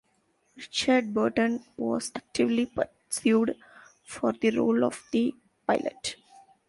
Richard Burton was actively pursued for the role of The Pilot.